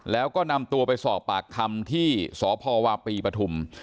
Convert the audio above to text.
แล้วก็นำตัวไปสอบปากคำที่สพวาปีปฐุม